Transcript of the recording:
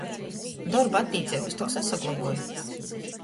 Dorba attīceibys tok sasagloboj.